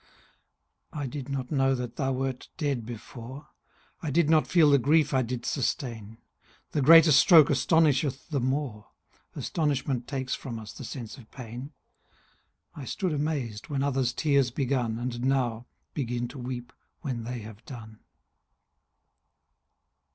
I did not know that thou wert dead before; I did not feel the grief I did sustain; 10 The greater stroke astonisheth the more; Astonishment takes from us sense of pain; I stood amazed when others' tears begun, And now begin to weep when they have done.